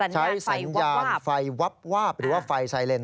ใช้สัญญาณไฟวับวาบหรือว่าไฟไซเลน